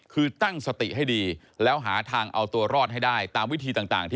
คือตั้งสติให้ดี